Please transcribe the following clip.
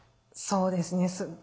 そうですね。